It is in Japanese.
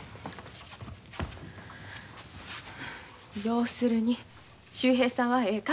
要するに秀平さんはええ